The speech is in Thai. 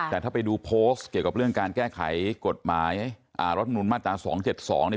แต่ถ้าไปดูโพสต์เกี่ยวกับเรื่องการแก้ไขกฎหมายรัฐมนุนมาตรา๒๗๒เนี่ย